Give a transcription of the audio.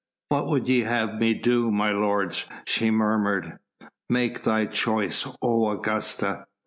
"What would ye have me do, my lords?" she murmured. "Make thy choice, O Augusta!"